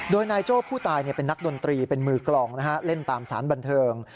โดยนายโจ้ผู้ตายเป็นนักดนตรีเป็นมือกลองเล่นตามสารบันเทิง